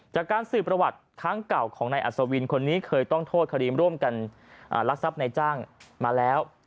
จากการสืบประวัติครั้งเก่าของนายอัศวินคนนี้เคยต้องโทษคดีร่วมกันลักทรัพย์ในจ้างมาแล้ว